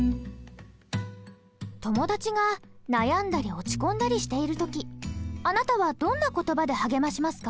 友達が悩んだり落ち込んだりしている時あなたはどんな言葉で励ましますか？